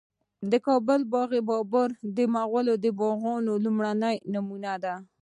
د کابل باغ بابر د مغلو د باغونو لومړنی نمونه ده